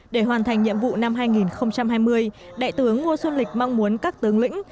để hoàn thành nhiệm vụ năm hai nghìn hai mươi đại tướng ngô xuân lịch mong muốn các tướng lĩnh